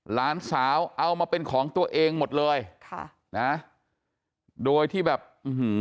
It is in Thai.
หลานสาวเอามาเป็นของตัวเองหมดเลยค่ะนะโดยที่แบบอื้อหือ